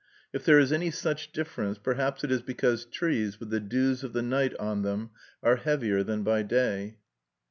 If there is any such difference, perhaps it is because trees with the dews of the night on them are heavier than by day.